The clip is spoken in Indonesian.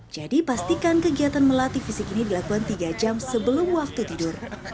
jadi pastikan kegiatan melatih fisik ini dilakukan tiga jam sebelum waktu tidur